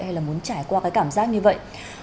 hay muốn trải qua cảm giác như vậy